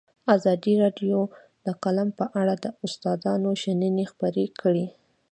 ازادي راډیو د اقلیم په اړه د استادانو شننې خپرې کړي.